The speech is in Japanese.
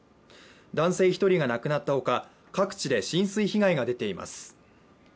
男性１人が亡くなったほか各地で浸水被害が出ています。